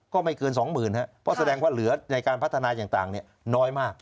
ก็ไม่เกินสองหมื่นครับเพราะแสดงว่าเหลือในการพัฒนาอย่างต่างเนี่ยน้อยมาก